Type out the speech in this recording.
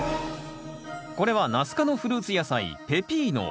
これはナス科のフルーツ野菜